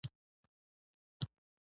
ارام ژوند